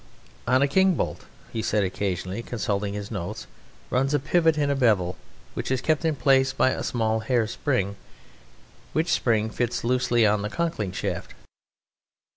"On a king bolt," he said, occasionally consulting his notes, "runs a pivot in bevel which is kept in place by a small hair spring, which spring fits loosely on the Conkling Shaft."